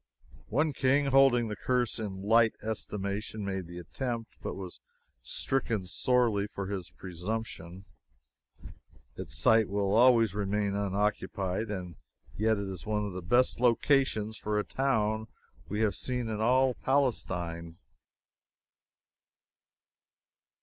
One King, holding the curse in light estimation, made the attempt, but was stricken sorely for his presumption. Its site will always remain unoccupied; and yet it is one of the very best locations for a town we have seen in all Palestine.